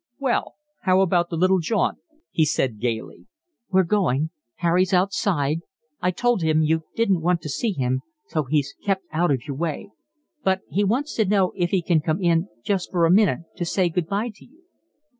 "Well, how about the little jaunt?" he said gaily. "We're going. Harry's outside. I told him you didn't want to see him, so he's kept out of your way. But he wants to know if he can come in just for a minute to say good bye to you."